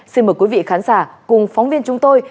xin mời quý vị khán giả cùng phóng viên chúng tôi